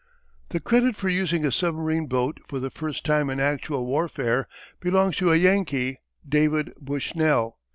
The credit for using a submarine boat for the first time in actual warfare belongs to a Yankee, David Bushnell.